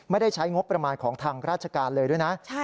ใช้งบประมาณของทางราชการเลยด้วยนะ